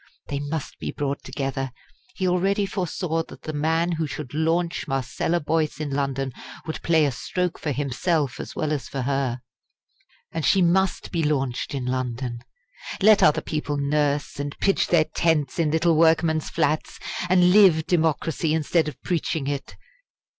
They must be brought together. He already foresaw that the man who should launch Marcella Boyce in London would play a stroke for himself as well as for her. And she must be launched in London. Let other people nurse, and pitch their tents in little workmen's flats, and live democracy instead of preaching it.